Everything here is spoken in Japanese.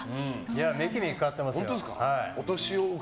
メキメキ変わってますよ。